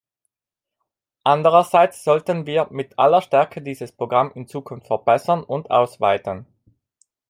Andererseits sollten wir mit aller Stärke dieses Programm in Zukunft verbessern und ausweiten.